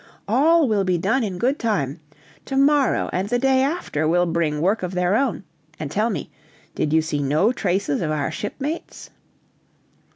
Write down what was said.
"All will be done in good time. To morrow and the day after will bring work of their own. And tell me, did you see no traces of our shipmates?"